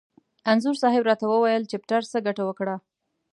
انځور صاحب را ته وویل: چپټر څه ګټه وکړه؟